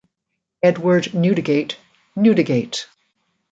Edward Newdigate Newdegate.